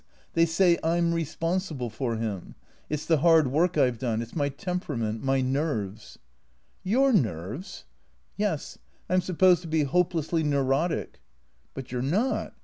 They say I 'm responsible for him. It 's the hard work I 've done. It 's my temperament — my nerves." " Your nerves ?"" Yes. I 'm supposed to be hopelessly neurotic." "But you're not.